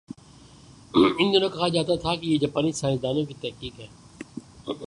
ان دنوں کہا جاتا تھا کہ یہ جاپانی سائنس دانوں کی تحقیق ہے۔